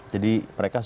jadi mereka support